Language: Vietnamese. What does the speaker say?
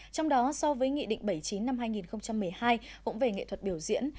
trong đó so với nghị định bảy mươi chín năm hai nghìn một mươi hai cũng về nghệ thuật biểu diễn